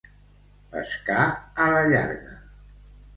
Pescar a la llarga.